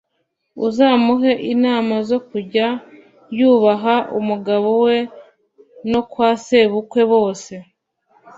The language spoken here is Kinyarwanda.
uzamuhe inama zo kujya yubaha umugabo we no kwa sebukwe bose